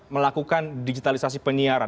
melakukan digitalisasi penyiaran